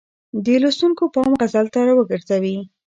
د لوستونکو پام غزل ته را وګرځوي.